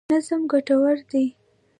نظم ګټور دی.